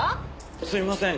すいません。